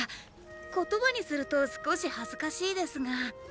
言葉にすると少し恥ずかしいですが。